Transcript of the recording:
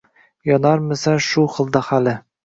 Yonarmisan shu xilda hali?